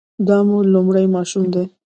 دا مو لومړی ماشوم دی؟